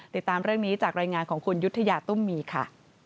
ติดตามเรื่องนี้จากรายงานของคุณยุธยาตุ้มมีค่ะ